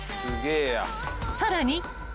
［さらに］